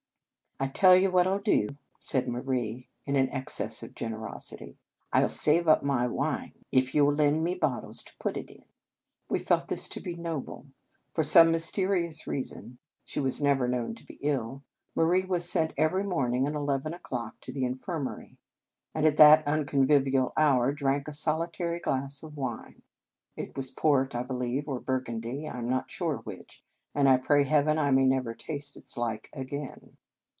" I tell you what I 11 do," said Marie, in an excess of generosity. "I 11 save up my wine, if you 11 lend me bottles to put it in." We felt this to be noble. For some mysterious reason (she was never 126 Un Conge sans Cloche known to be ill), Marie was sent every morning at eleven o clock to the in firmary; and at that unconvivial hour drank a solitary glass of wine. It was port, I believe, or Burgundy, I am not sure which, and I pray Heaven I may never taste its like again.